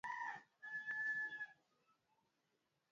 Dalili nyingine ya ugonjwa wa mapafu ni mnyama kutokwa na mate